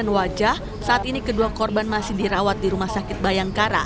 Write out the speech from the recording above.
korban saat ini kedua korban masih dirawat di rumah sakit bayangkara